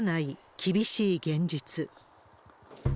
厳しい現実。